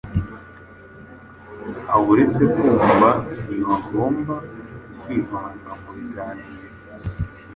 Abo uretse kumva, ntibagomba kwivanga mu biganiro;